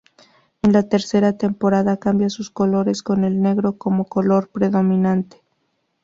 En la tercera temporada cambia sus colores con el negro cómo color predominante.